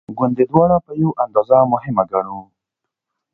ګوندې دواړه په یوه اندازه مهمه ګڼو.